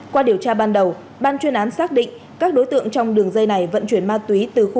qua điều tra ban đầu ban chuyên án xác định các đối tượng trong đường dây này vận chuyển ma túy từ khu